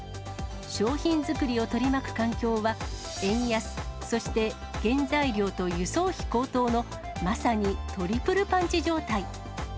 商品作りを取り巻く環境は円安、そして原材料と輸送費高騰の、まさにトリプルパンチ状態。